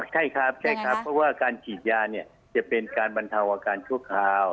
ใช่ครับเพราะว่าการฉีดยามันจะเป็นการบรรเทาอาการชั่วคราว